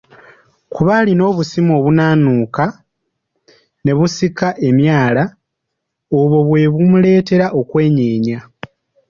Kuba alina obusimu obunaanuuka ne busika emyala, obwo bwe bumuleetera okwenyeenya.